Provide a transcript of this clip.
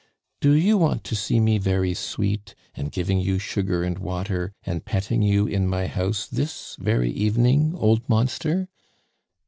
"Do you want to see me very sweet, and giving you sugar and water, and petting you in my house, this very evening, old monster?"